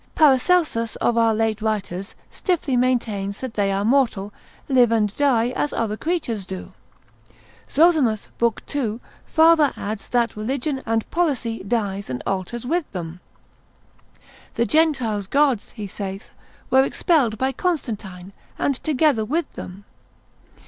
Paracelsus of our late writers stiffly maintains that they are mortal, live and die as other creatures do. Zozimus, l. 2, farther adds, that religion and policy dies and alters with them. The Gentiles' gods, he saith, were expelled by Constantine, and together with them.